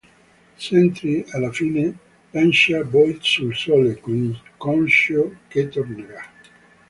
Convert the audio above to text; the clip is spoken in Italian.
Sentry alla fine lancia Void sul Sole, conscio che tornerà.